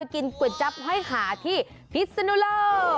มากินก๋วยจับห้อยขาที่พิศนุโล่